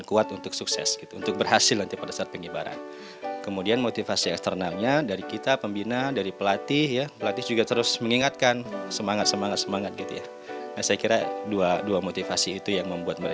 untuk siantar untuk capaskan siantar semangat kalian semangat